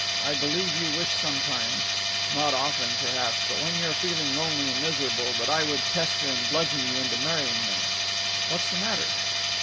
I believe you wish sometimes not often, perhaps, but when you're feeling lonely and miserable that I would pester and bludgeon you into marrying me.... What's the matter?"